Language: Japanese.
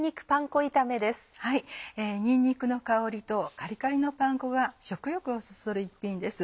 にんにくの香りとカリカリのパン粉が食欲をそそる１品です。